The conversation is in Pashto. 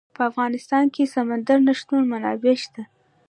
په افغانستان کې د سمندر نه شتون منابع شته.